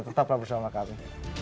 tetaplah bersama kami